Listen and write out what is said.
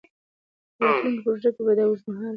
او په راتلونکو پروژو کي به د اوږدمهاله